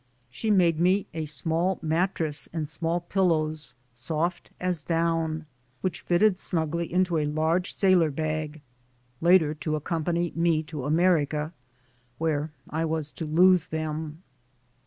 She made me a small mattress and small pillows, soft as down, which fitted snugly into a large sailor bag, later to accompany me to America, where I was to lose them.